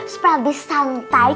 supra di santai